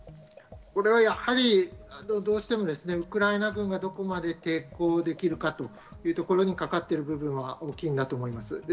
これはやはり、ウクライナ軍がどこまで抵抗できるかというところにかかっている部分は大きいなと思います。